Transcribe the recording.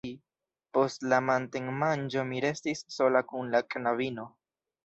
Post la matenmanĝo mi restis sola kun la knabino.